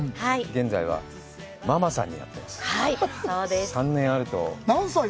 現在はママさんになってます。